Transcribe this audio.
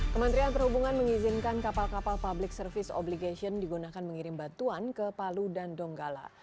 kementerian perhubungan mengizinkan kapal kapal public service obligation digunakan mengirim bantuan ke palu dan donggala